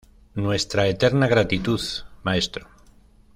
Nuestra eterna gratitud Maestro.